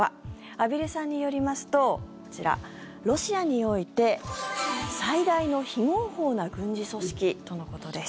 畔蒜さんによりますとこちらロシアにおいて最大の非合法な軍事組織とのことです。